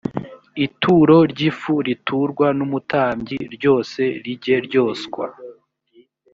ituro ry ifu riturwa n umutambyi ryose rijye ryoswa